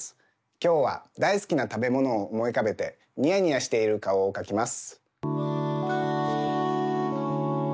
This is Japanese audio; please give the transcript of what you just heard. きょうはだいすきなたべものをおもいうかべてにやにやしているかおをかきます。